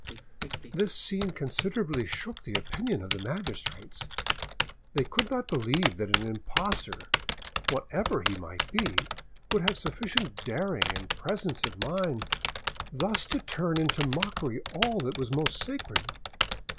This scene considerably shook the opinion of the magistrates. They could not believe that an impostor, whatever he might be, would have sufficient daring and presence of mind thus to turn into mockery all that was most sacred.